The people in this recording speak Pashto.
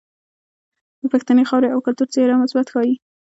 د پښتنې خاورې او کلتور څهره مثبت ښائي.